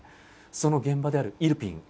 その現場であるイルピン。